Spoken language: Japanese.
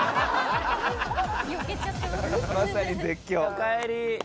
おかえり。